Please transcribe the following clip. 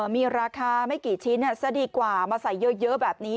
มีราคาไม่กี่ชิ้นซะดีกว่ามาใส่เยอะแบบนี้